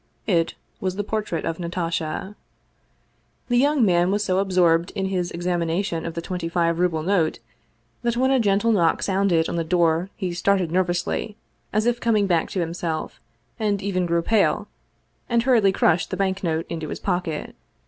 It was the portrait of Natasha. The young man was so absorbed in his examination of the twenty five ruble note that when a gentle knock sounded on the door he started nervously, as if coming back to himself, and even grew pale, and hurriedly crushed the banknote into his pocket.